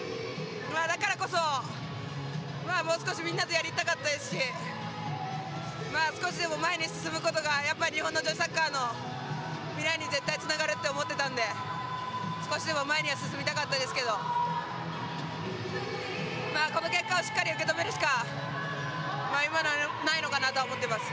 だからこそ、もう少しみんなとやりたかったですし少しでも前に進めることが日本の女子サッカーの未来に絶対つながるって思ってたんで少しでも前には進みたかったですけどこの結果をしっかり受け止めるしか今はないのかなと思っています。